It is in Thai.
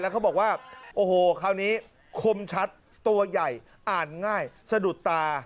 เขาบอกว่าโอ้โหคราวนี้คมชัดตัวใหญ่อ่านง่ายสะดุดตา